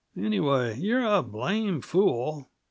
"Anyway, you're a blame fool.